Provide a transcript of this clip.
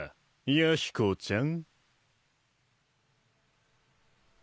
弥彦ちゃん。